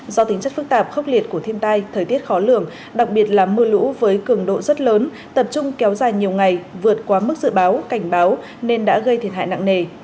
do tính chất phức tạp khốc liệt của thiên tai thời tiết khó lường đặc biệt là mưa lũ với cường độ rất lớn tập trung kéo dài nhiều ngày vượt qua mức dự báo cảnh báo nên đã gây thiệt hại nặng nề